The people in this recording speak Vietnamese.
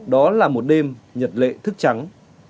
đó là một đêm nhật lệ thức trắng